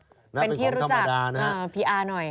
เป็นของธรรมดานะครับเป็นที่รู้จักพี่อาหน่อย